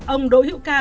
ông đỗ hiệu ca